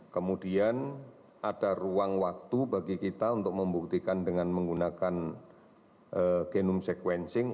kemudian ada ruang waktu bagi kita untuk membuktikan dengan menggunakan genome sequencing